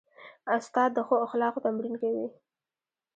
استاد د ښو اخلاقو تمرین کوي.